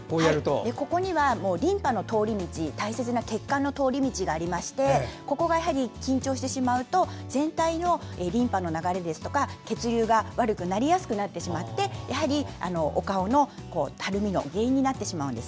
ここにはリンパの通り道大切な血管の通り道がありましてここが、やはり緊張してしまうと全体のリンパの流れですとか血流が悪くなりやすくなってお顔のたるみの原因になります。